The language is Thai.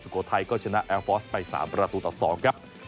โขทัยก็ชนะแอร์ฟอร์สไป๓ประตูต่อ๒ครับ